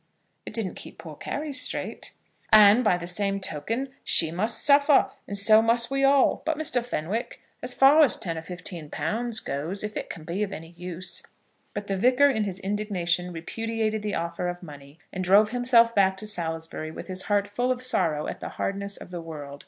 "It didn't keep poor Carry straight." "And, by the same token, she must suffer, and so must we all. But, Muster Fenwick, as far as ten or fifteen pounds goes, if it can be of use " But the Vicar, in his indignation, repudiated the offer of money, and drove himself back to Salisbury with his heart full of sorrow at the hardness of the world.